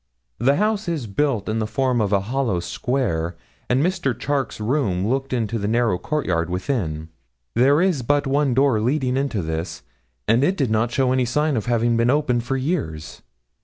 The house is built in the form of a hollow square, and Mr. Charke's room looked into the narrow court yard within. There is but one door leading into this, and it did not show any sign of having been open for years.